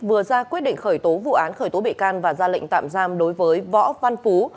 vừa ra quyết định khởi tố vụ án khởi tố bị can và ra lệnh tạm giam đối với võ văn phú